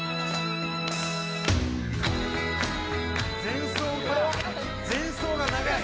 前奏が前奏が長い